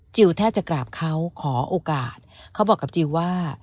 แทบจะกราบเขาขอโอกาสเขาบอกกับจิลว่า